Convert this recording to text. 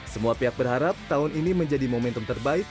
semua pihak berharap tahun ini menjadi momentum terbaik